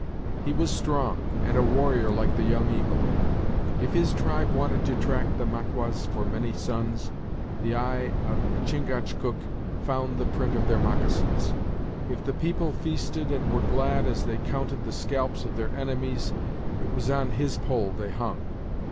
He was strong, and a warrior like the Young Eagle. If his tribe wanted to track the Maquas for many suns, the eye of Chingachgook found the print of their moccasins. If the people feasted and were glad, as they counted the scalps of their enemies, it was on his pole they hung.